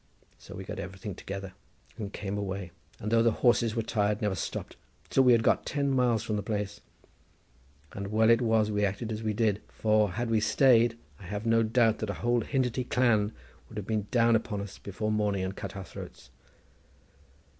So we got everything together and came away, and, though the horses were tired, never stopped till we had got ten miles from the place; and well it was we acted as we did, for, had we stayed, I have no doubt that a whole Hindity clan would have been down upon us before morning and cut our throats."